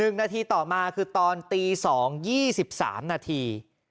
๑นาทีต่อมาคือตอนตี๒๒๓นาที